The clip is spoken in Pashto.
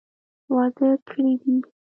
واده کړي دي.